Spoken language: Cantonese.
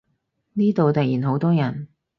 呢度突然好多人